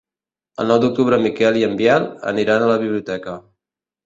El nou d'octubre en Miquel i en Biel aniran a la biblioteca.